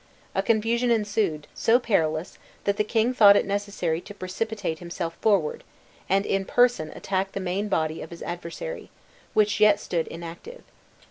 A confusion ensued, so perilous, that the king thought it necessary to precipitate himself forward, and in person attack the main body of his adversary, which yet stood inactive.